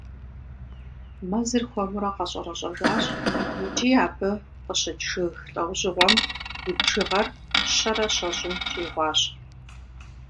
Мэзыр хуэмурэ къэщӏэрэщӏэжащ, икӀи абы къыщыкӀ жыг лӀэужьыгъуэм и бжыгъэр щэрэ щэщӀым щӏигъуащ.